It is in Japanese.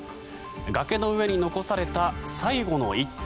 崖の上に残された最後の１棟。